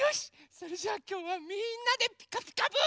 それじゃあきょうはみんなで「ピカピカブ！」。